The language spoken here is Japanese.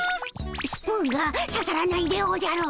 スプーンがささらないでおじゃる。